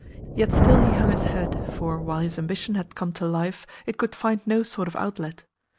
Yet still he hung his head, for, while his ambition had come to life, it could find no sort of outlet.